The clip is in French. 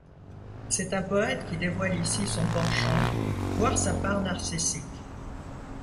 C'est un poète qui dévoile ici son penchant, voire sa part narcissique.